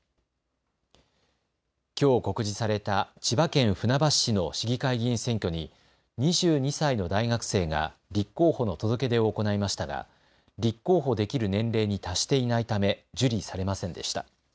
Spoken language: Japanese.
きょう告示された千葉県船橋市の市議会議員選挙に２２歳の大学生が立候補の届け出を行いましたが立候補できる年齢に達していないため受理されませんでした。